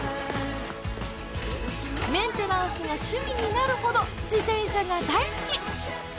メンテナンスが趣味になるほど自転車が大好き！